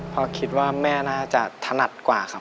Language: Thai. เพราะคิดว่าแม่น่าจะถนัดกว่าครับ